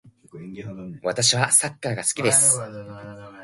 私はサッカーが好きです。